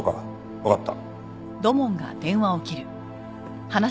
わかった。